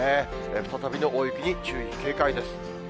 再びの大雪に注意、警戒です。